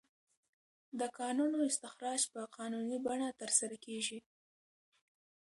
د کانونو استخراج په قانوني بڼه ترسره کیږي.